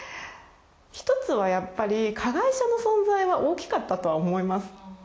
一つはやっぱり加害者の存在は大きかったとは思います。